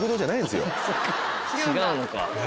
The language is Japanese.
違うのか。